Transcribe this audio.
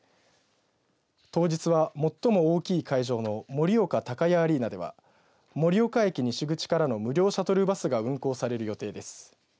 当日は、最も大きい会場の盛岡タカヤアリーナでは盛岡駅西口からの無料シャトルバスが運行される予定です。